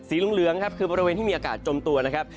เหลืองครับคือบริเวณที่มีอากาศจมตัวนะครับ